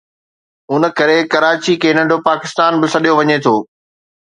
ان ڪري ڪراچي کي ”ننڍو پاڪستان“ به سڏيو وڃي ٿو